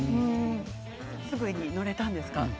すぐに乗れたんですか？